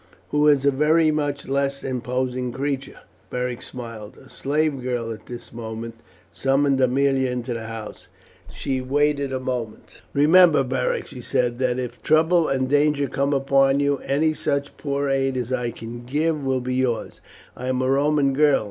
"Who is a very much less imposing creature," Beric smiled. A slave girl at this moment summoned Aemilia into the house. She waited a moment. "Remember, Beric," she said, "that if trouble and danger come upon you, any such poor aid as I can give will be yours. I am a Roman girl.